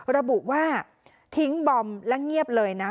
ระบุว่าทิ้งบอมและเงียบเลยนะ